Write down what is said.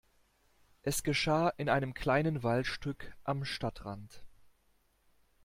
Es geschah in einem kleinen Waldstück am Stadtrand.